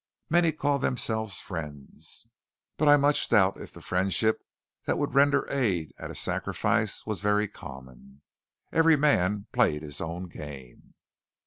Many called themselves friends; but I much doubt if the friendship that would render aid at a sacrifice was very common. Every man played his own game.